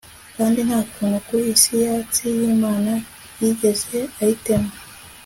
Kandi nta kuntu ku isi yatsi yImana yigeze ayitema